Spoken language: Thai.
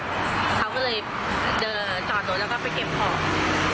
เขาก็เลยให้จอดรถเก็บของ